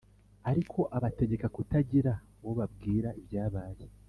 ariko abategeka kutagira uwo babwira ibyabaye.